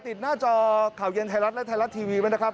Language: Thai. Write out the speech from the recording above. หน้าจอข่าวเย็นไทยรัฐและไทยรัฐทีวีไว้นะครับ